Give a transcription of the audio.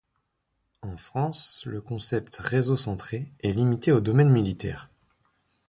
En France, le concept réseau centré est limité au domaine militaire.